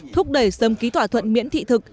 thúc đẩy sớm ký thỏa thuận miễn thị thực